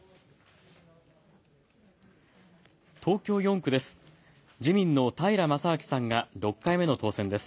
東京４区です。